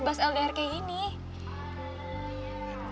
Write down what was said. kamu gak tau apa reva itu anaknya sensitif banget